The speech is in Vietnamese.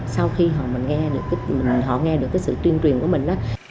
sau khi họ nghe được cái sự truyền truyền của mình